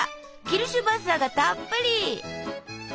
キルシュヴァッサーがたっぷり！